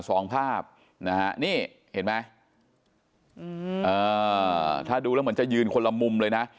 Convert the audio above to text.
สองภาพนะฮะนี่เห็นไหมอืมอ่าถ้าดูแล้วเหมือนจะยืนคนละมุมเลยนะ